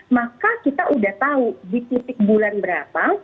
maka kita sudah tahu di titik bulan berapa